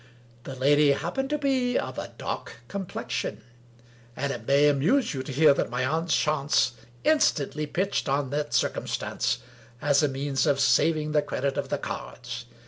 The lady happened to be of a dark complexion ; and it may amuse you to hear that my aunt Chance instantly pitched on that circumstance as a means of saving the credit of the cards.